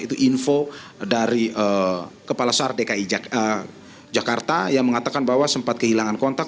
itu info dari kepala sar dki jakarta yang mengatakan bahwa sempat kehilangan kontak